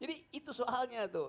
jadi itu soalnya tuh